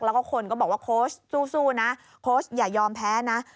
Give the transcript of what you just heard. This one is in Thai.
และคนบอกว่าโคชสู้นะอย่ายอมแพ้นะ